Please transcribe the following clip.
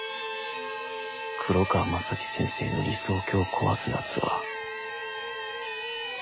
黒川政樹先生の理想郷を壊すやつは。